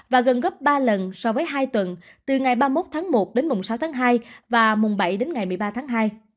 và gần gấp ba lần so với hai tuần từ ngày ba mươi một tháng một đến mùng sáu tháng hai và mùng bảy đến ngày một mươi ba tháng hai